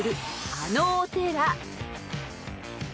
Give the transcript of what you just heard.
あのお寺］